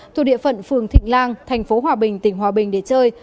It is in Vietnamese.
thuộc địa phận phường thịnh lan thành phố hòa bình tỉnh hòa bình để chơi